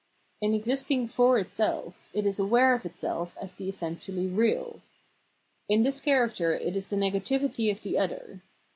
In existing for itself it is aware of itself as the essen tially real. In this character it is the negativity of the 348 Phenomenology of Mind other.